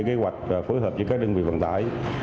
kế hoạch phối hợp với các đơn vị vận tải